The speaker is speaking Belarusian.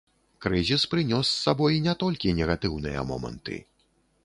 Крызіс прынёс з сабой не толькі негатыўныя моманты.